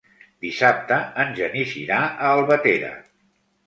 Dissabte en Genís irà a Albatera.